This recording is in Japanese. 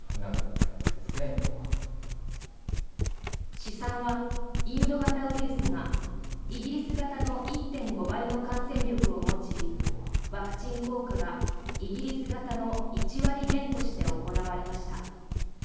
試算はインド型ウイルスがイギリス型の１．５倍の感染力を持ちワクチン効果がイギリス型の１割減として行われました。